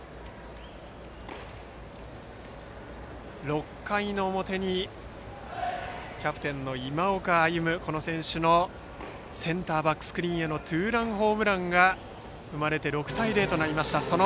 ６回表にキャプテンの今岡歩夢のセンターバックスクリーンへのツーランホームランが生まれました。